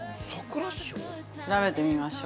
調べてみましょう。